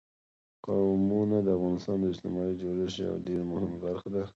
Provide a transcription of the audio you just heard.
قومونه د افغانستان د اجتماعي جوړښت یوه ډېره مهمه برخه ده.